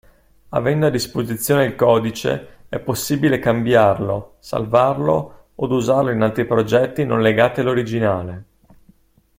Avendo a disposizione il codice è possibile cambiarlo, salvarlo od usarlo in altri progetti non legati all'originale.